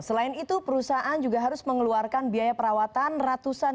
selain itu perusahaan juga harus mengeluarkan biaya perawatan ratusan hingga ribuan armadanya